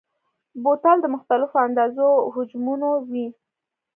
بوتل د مختلفو اندازو او حجمونو وي.